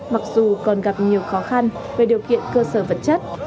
mặc dù còn gặp nhiều khó khăn về điều kiện cơ sở vật chất